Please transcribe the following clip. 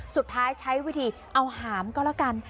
สุดท้ายใช้วิธีเอาหาหมัก็แล้วกัน